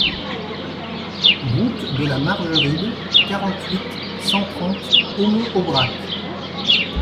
Route de la Margeride, quarante-huit, cent trente Aumont-Aubrac